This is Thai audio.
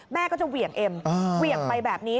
แม่ก็จะเหวี่ยงเอ็มเหวี่ยงไปแบบนี้